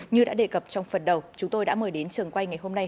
như đã đề cập trong phần đầu chúng tôi đã mời đến trường quay ngày hôm nay